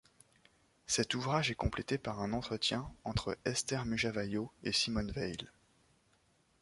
Cet ouvrage est complété par un entretien entre Esther Mujawayo et Simone Veil.